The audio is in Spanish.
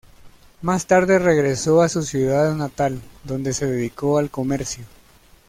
Más tarde regresó a su ciudad natal, donde se dedicó al comercio.